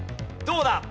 どうだ？